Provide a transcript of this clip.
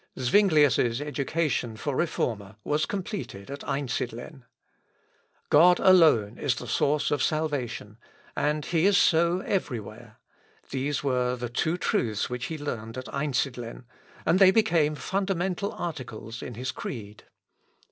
Zuinglius' education for reformer was completed at Einsidlen. God alone is the source of salvation, and he is so every where, these were the two truths which he learned at Einsidlen, and they became fundamental articles in his creed.